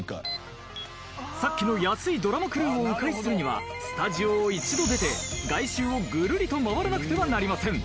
さっきの安いドラマクルーを迂回するにはスタジオを一度出て外周をぐるりと回らなくてはなりません。